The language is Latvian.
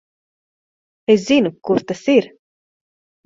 Es zinu, kur tas ir.